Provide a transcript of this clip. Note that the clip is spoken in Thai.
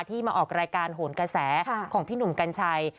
มาออกรายการโหนกระแสของพี่หนุ่มกัญชัย